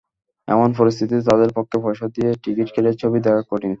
এমন পরিস্থিতিতে তাঁদের পক্ষে পয়সা দিয়ে টিকিট কেটে ছবি দেখা কঠিন।